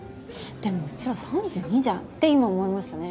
「でもうちら３２じゃん」って今思いましたね？